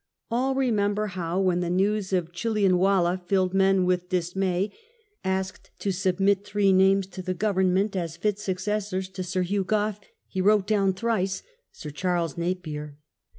All remember how, when the news of Chillianwallah filled men with dismay, asked to submit three names to the Government as fit suc cessors to Sir Hugh Gough, he wrote down thrice, " Sir Charles Napier."